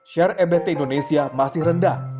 share ebt indonesia masih rendah